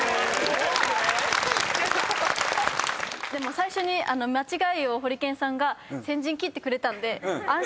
最初に間違いをホリケンさんが先陣切ってくれたんで。